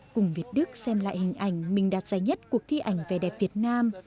cùng việt đức xem lại hình ảnh mình đạt giá nhất cuộc thi ảnh về đẹp việt nam